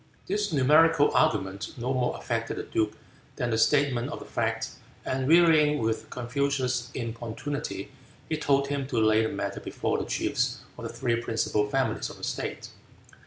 This numerical argument no more affected the duke than the statement of the fact, and wearying with Confucius' importunity, he told him to lay the matter before the chiefs of the three principal families of the state.